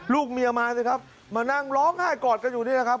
ลูกเมียมาสิครับมานั่งร้องไห้กอดกันอยู่นี่แหละครับ